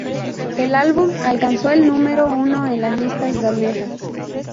El álbum alcanzó el número uno en las listas danesas.